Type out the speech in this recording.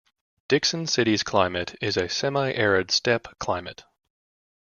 Dixon City's climate is a semi arid steppe climate.